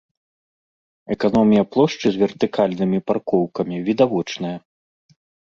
Эканомія плошчы з вертыкальнымі паркоўкамі відавочная.